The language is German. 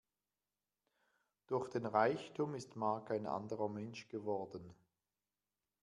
Durch den Reichtum ist Mark ein anderer Mensch geworden.